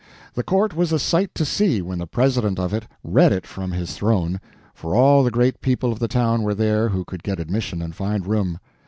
The court was a sight to see when the president of it read it from his throne, for all the great people of the town were there who could get admission and find room.